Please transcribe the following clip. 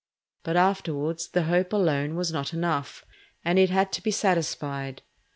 But afterwards the hope alone was not enough, and it had to be satisfied.